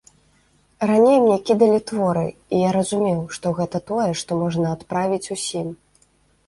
Раней мне кідалі творы, і я разумеў, што гэта тое, што можна адправіць усім.